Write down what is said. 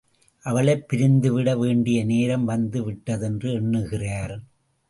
அவளைப் பிரிந்து விட வேண்டிய நேரம் வந்து விட்டதென்று எண்ணுகிறார்.